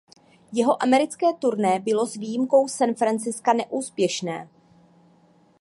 Jeho americké turné bylo s výjimkou San Francisca neúspěšné.